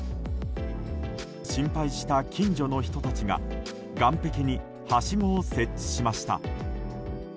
心配した近所の人たちが岸壁に、はしごを設置しました。